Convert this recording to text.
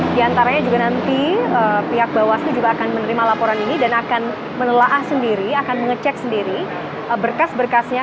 di antaranya juga nanti pihak bawaslu juga akan menerima laporan ini dan akan menelaah sendiri akan mengecek sendiri berkas berkasnya